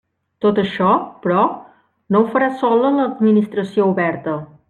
Tot això, però, no ho farà sola l'Administració Oberta.